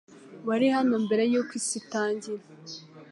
Wari hano mbere yuko isi itangira